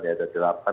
ya ada di laporan